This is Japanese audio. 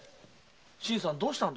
新さんどうしたんです？